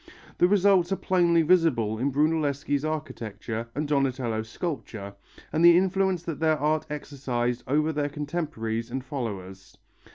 The results are plainly visible in Brunelleschi's architecture and Donatello's sculpture, and the influence that their art exercised over their contemporaries and followers.